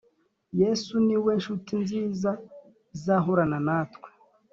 Yesu niwe nshuti nziza izahorana natwe.